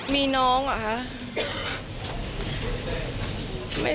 มีน้องเหรอคะ